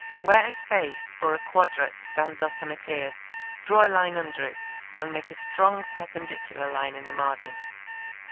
Where a space or a quadrat stands up and appears, draw a line under it, and make a strong perpendicular line in the margin.